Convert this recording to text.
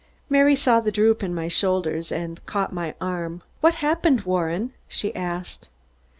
Mary saw the droop in my shoulders and caught my arm. "What happened, Warren?" she asked.